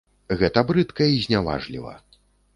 Гэта брыдка і зняважліва.